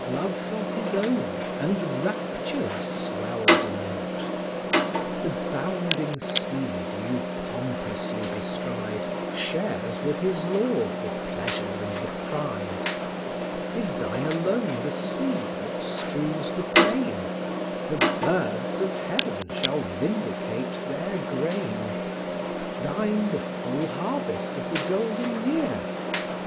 Loves of his own and raptures swell the note. The bounding steed you pompously bestride, Shares with his lord the pleasure and the pride. Is thine alone the seed that strews the plain? The birds of heaven shall vindicate their grain. Thine the full harvest of the golden year?